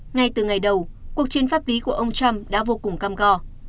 ngay từ ngày đầu cuộc chiến pháp lý của ông trump đã vô cùng cam go